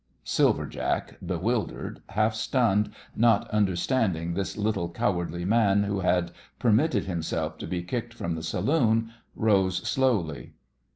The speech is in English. Silver Jack, bewildered, half stunned, not understanding this little cowardly man who had permitted himself to be kicked from the saloon, rose slowly.